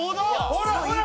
ほらほら！